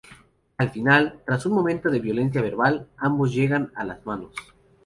Al final, tras un momento de violencia verbal, ambos llegan a las manos.